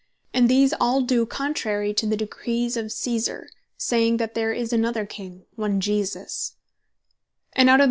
And these all do contrary to the Decrees of Caesar, saying, that there is another King, one Jesus:" And out of the 2.